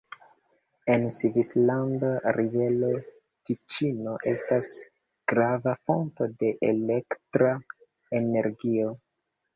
En Svislando rivero Tiĉino estas grava fonto de elektra energio.